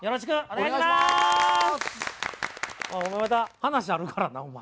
おいお前まだ話あるからなお前。